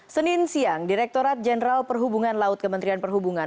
senin siang direkturat jenderal perhubungan laut kementerian perhubungan